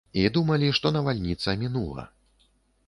І думалі, што навальніца мінула.